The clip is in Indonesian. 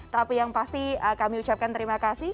tapi yang pasti kami ucapkan terima kasih